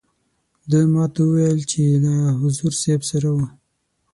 ده ما ته وویل چې له حضور صاحب سره وو.